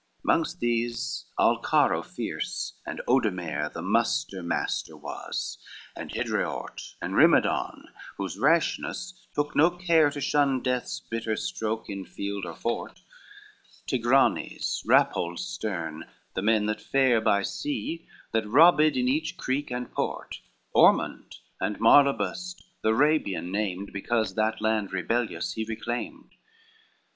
XXX Mongst these Alarco fierce, and Odemare The muster master was, and Hidraort, And Rimedon, whose rashness took no care To shun death's bitter stroke, in field or fort, Tigranes, Rapold stem, the men that fare By sea, that robbed in each creek and port, Ormond, and Marlabust the Arabian named, Because that land rebellious he reclaimed.